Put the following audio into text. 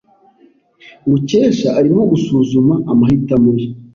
Mukesha arimo gusuzuma amahitamo ye.